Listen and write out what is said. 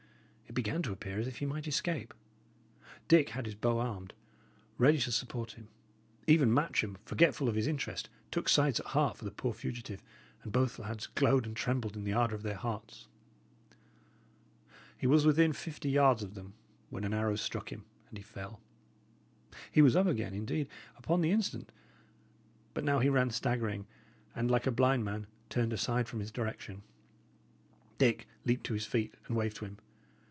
It began to appear as if he might escape. Dick had his bow armed, ready to support him; even Matcham, forgetful of his interest, took sides at heart for the poor fugitive; and both lads glowed and trembled in the ardour of their hearts. He was within fifty yards of them, when an arrow struck him and he fell. He was up again, indeed, upon the instant; but now he ran staggering, and, like a blind man, turned aside from his direction. Dick leaped to his feet and waved to him.